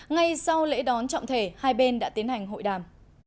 ngay sau lễ đón trọng thể hai bên đã tiến hành hội đàm